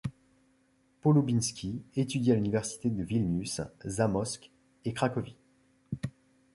Połubiński, étudie à l'Université de Vilnius, Zamosc et Cracovie.